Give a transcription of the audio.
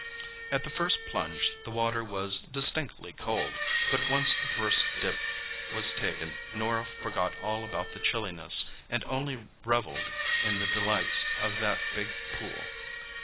At the first plunge the water was distinctly cold, but once the first dip was taken Norah forgot all about chilliness, and only revelled in the delights of that big pool.